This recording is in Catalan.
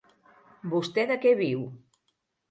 Vostè de què viu?